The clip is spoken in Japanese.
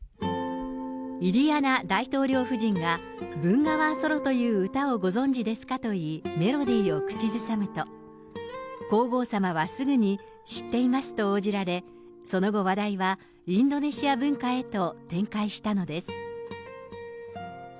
イリアナ大統領夫人が、ブンガワンソロという歌をご存じですかと言い、メロディーを口ずさむと、皇后さまはすぐに、知っていますと応じられ、その後、話題はインドネシア文化へと展開したのです。